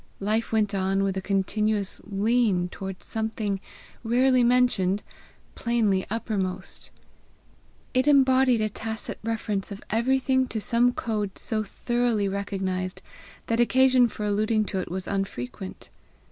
Life went on with a continuous lean toward something rarely mentioned, plainly uppermost; it embodied a tacit reference of everything to some code so thoroughly recognized that occasion for alluding to it was unfrequent.